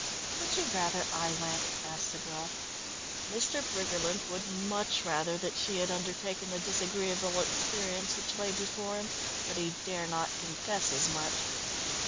"Would you rather I went?" asked the girl. Mr. Briggerland would much rather that she had undertaken the disagreeable experience which lay before him, but he dare not confess as much.